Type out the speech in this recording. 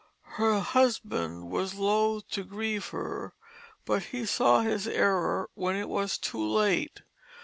Her husbande was loath to grieve hir; but he saw his error when it was too late.